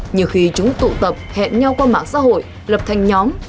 nhiều khi chúng tụ tập hẹn nhau qua mạng xã hội lập thành nhóm